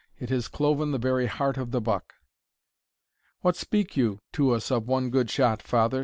It has cloven the very heart of the buck." "What speak you to us of one good shot, father?"